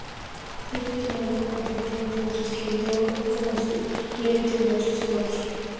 Fue titular en cuatro partidos mientras que entró como suplente en otros cuatro.